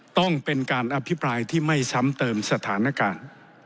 ต้องเป็นการอภิปรายที่ไม่ซ้ำเติมสถานการณ์